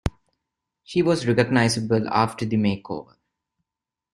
She was recognizable after the makeover.